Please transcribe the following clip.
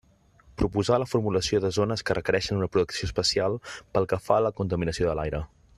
Proposar la formulació de zones que requereixen una protecció especial pel que fa a la contaminació de l'aire.